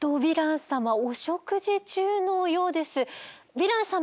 ヴィラン様